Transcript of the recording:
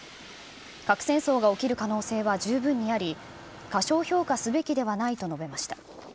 核戦争が起きる可能性は十分にあり、過小評価すべきではないと述べました。